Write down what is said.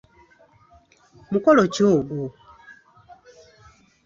Mukolo ki ogwo?